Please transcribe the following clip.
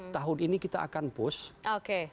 tahun ini kita akan push